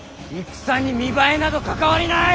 戦に見栄えなど関わりない！